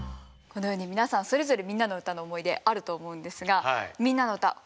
このように皆さんそれぞれ「みんなのうた」の思い出あると思うんですが「みんなのうた」